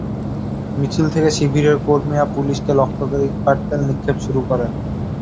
মিছিল থেকে শিবিরের কর্মীরা পুলিশকে লক্ষ্য করে ইটপাটকেল নিক্ষেপ শুরু করেন।